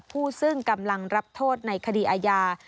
ผู้ซึ่งกำลังรับโทษในคดีอาญา